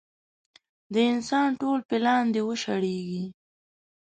د انسان ټول پلان دې وشړېږي.